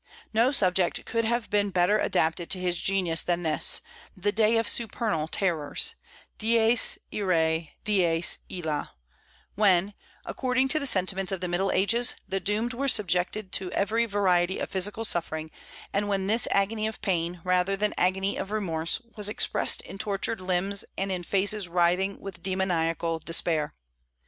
No subject could have been better adapted to his genius than this the day of supernal terrors (dies irae, dies illa), when, according to the sentiments of the Middle Ages, the doomed were subjected to every variety of physical suffering, and when this agony of pain, rather than agony of remorse, was expressed in tortured limbs and in faces writhing with demoniacal despair.